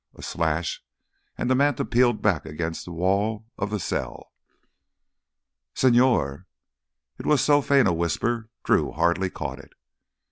A slash, and the manta peeled back against the wall of the cell. "Señor—?" It was so faint a whisper Drew hardly caught it.